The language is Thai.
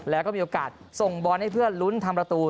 แล้วก็มีโอกาสส่งบอลให้เพื่อนลุ้นทำประตู